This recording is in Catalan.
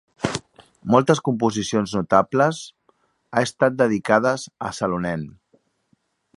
Moltes composicions notables ha estat dedicades a Salonen.